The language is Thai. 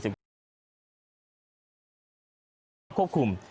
และควบคุม